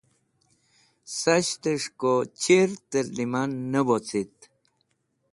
Sashtẽs̃h ko chir tẽrlẽman ne wocit